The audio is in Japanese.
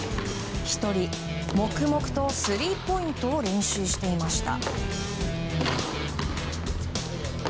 １人、黙々とスリーポイントを練習していました。